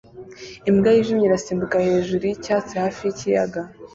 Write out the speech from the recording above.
Imbwa yijimye irasimbuka hejuru yicyatsi hafi yikiyaga